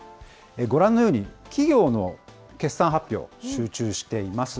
ご覧のように、企業の決算発表、集中しています。